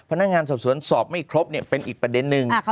พนักงานสอบสวนสอบไม่ครบเป็นอีกประเด็นนึง